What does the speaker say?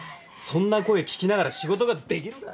そんな声聞きながら仕事ができるか。